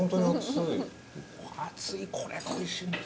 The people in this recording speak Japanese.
熱いこれがおいしいんです